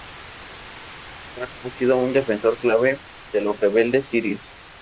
Qatar ha sido un defensor clave de los rebeldes sirios.